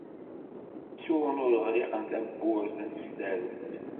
Ttun ur ɣliqen tawwurt s tsarut.